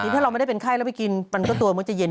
ถ้าเราไม่ได้เป็นไข้แล้วไปกินมันก็ตัวมักจะเย็น